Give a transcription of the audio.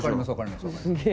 すげえ。